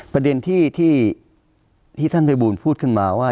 ประเด็นที่ที่ท่านพระบูรณ์พูดขึ้นมาว่า